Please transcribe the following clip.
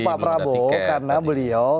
pak prabowo karena beliau